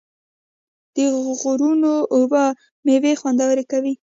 د غرونو اوبه میوې خوندورې کوي.